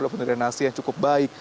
dan penerian nasi yang cukup baik